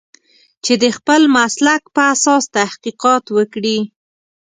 چې د خپل مسلک په اساس تحقیقات وکړي.